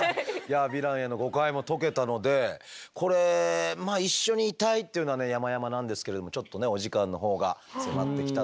ヴィランへの誤解も解けたのでこれまあ一緒にいたいというのはやまやまなんですけれどもちょっとねお時間のほうが迫ってきたということで。